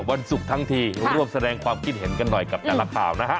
วันศุกร์ทั้งทีร่วมแสดงความคิดเห็นกันหน่อยกับแต่ละข่าวนะฮะ